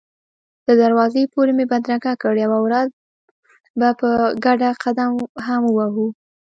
تر دروازې پورې مې بدرګه کړ، یوه ورځ به په ګډه قدم هم ووهو.